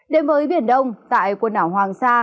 đến với biển đông tại quần ảo hoàng sa